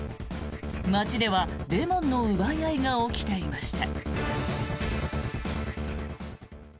街ではレモンの奪い合いが起きていました。